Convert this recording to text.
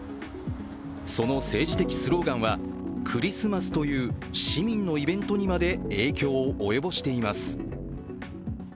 その政治的スローガンはクリスマスという市民のイベントにまで影響を及ぼしています。